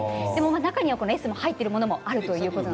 中にはこのｓが入っているものもあるということです。